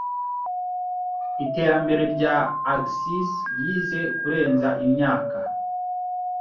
Iterambere rya Axis Yisi Kurenza Imyaka